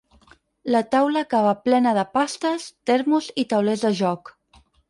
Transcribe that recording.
La taula acaba plena de pastes, termos i taulers de joc.